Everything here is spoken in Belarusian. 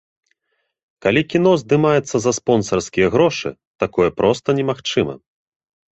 Калі кіно здымаецца за спонсарскія грошы, такое проста немагчыма.